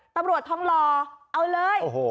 ตำรวจทองหล่อเอาเลย